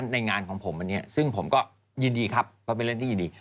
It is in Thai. ในงานของผมอันนี้ซึ่งผมก็ยินดีครับเพราะเป็นเรื่องที่ยินดี